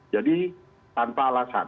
jadi tanpa alasan